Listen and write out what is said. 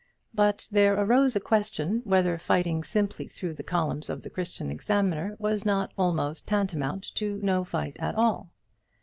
But there arose a question whether fighting simply through the columns of the Christian Examiner was not almost tantamount to no fight at all.